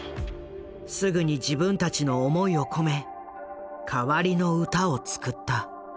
すぐに自分たちの思いを込め代わりの歌を作った。